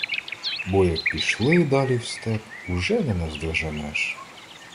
Бо як пішли далі в степ — уже не наздоженеш.